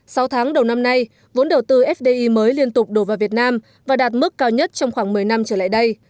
sau tháng đầu năm nay vốn đầu tư fdi mới liên tục đổ vào việt nam và đạt mức cao nhất trong khoảng một mươi năm trở lại đây